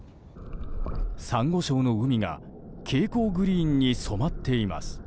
サンゴ礁の海が蛍光グリーンに染まっています。